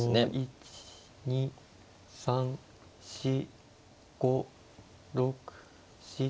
１２３４５６７８。